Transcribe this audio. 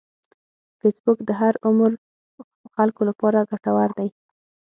فېسبوک د هر عمر خلکو لپاره ګټور دی